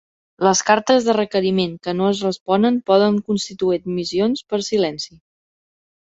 Les cartes de requeriment que no es responen poden constituir admissions per silenci.